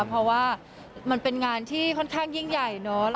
เพราะว่ามันเป็นงานที่ค่อนข้างยิ่งใหญ่เนอะ